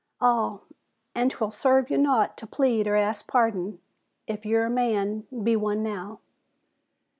"All an' 'twill serve ya naught to plead or ask pardon. If you're a man, be one now."